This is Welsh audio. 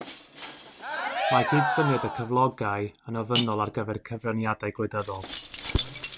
Mae Cydsyniad y Cyflogai yn Ofynnol ar gyfer Cyfraniadau Gwleidyddol.